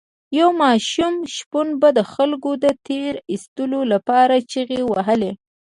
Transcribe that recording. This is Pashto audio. یو ماشوم شپون به د خلکو د تیر ایستلو لپاره چیغې وهلې.